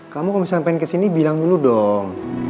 kamu kalo sampein kesini bilang dulu dong